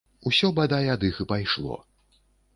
Усё, бадай, ад іх і пайшло.